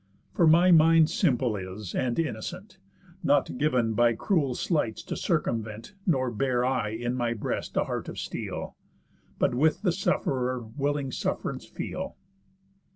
For my mind simple is, and innocent, Not giv'n by cruel sleights to circumvent, Nor bear I in my breast a heart of steel, But with the suff'rer willing suff'rance feel."